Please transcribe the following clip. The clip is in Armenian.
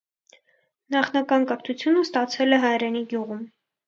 Նախնական կրթությունը ստացել է հայրենի գյուղում։